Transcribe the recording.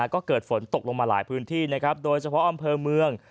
ก็เกิดฝนตกลงมาหลายพื้นที่นะครับโดยเฉพาะอำเภอเมือง